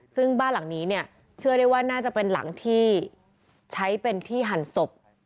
ซึ่งบ้านหลังนี้เนี่ยเชื่อได้ว่าน่าจะเป็นหลังที่ใช้เป็นที่หั่นศพ